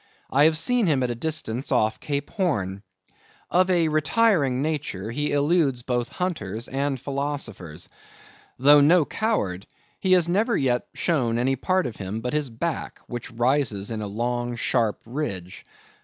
I have seen him at a distance off Cape Horn. Of a retiring nature, he eludes both hunters and philosophers. Though no coward, he has never yet shown any part of him but his back, which rises in a long sharp ridge.